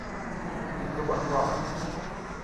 A te kwuan kwagra.